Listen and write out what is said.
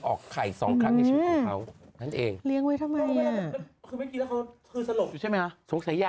ออกไข่๒ครั้งในชีวิตของเขา